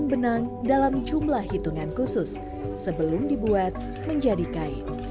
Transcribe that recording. kepala kandungan air yang diperlukan akan mencari jumlah hitungan khusus sebelum dibuat menjadi kain